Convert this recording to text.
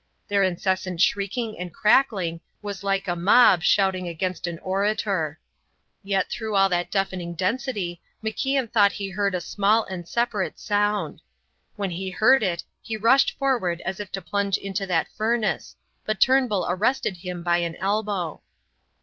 Their incessant shrieking and crackling was like a mob shouting against an orator. Yet through all that deafening density MacIan thought he heard a small and separate sound. When he heard it he rushed forward as if to plunge into that furnace, but Turnbull arrested him by an elbow.